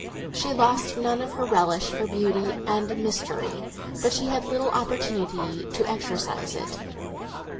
She lost none of her relish for beauty and mystery, but she had little opportunity to exercise it.